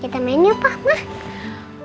kita mainin apa mah